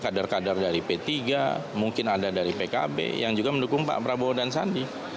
kader kader dari p tiga mungkin ada dari pkb yang juga mendukung pak prabowo dan sandi